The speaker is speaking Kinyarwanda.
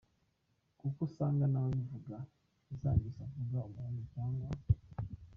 kuko usanga nawe ubivuga, zangeso uvuga umuhungu cg.